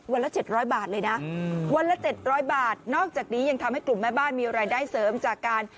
วันละเจ็ดร้อยบาทเลยนะอืมวันละเจ็ดร้อยบาทนอกจากนี้ยังทำให้กลุ่มแม่บ้านมีรายได้เสริมจากการ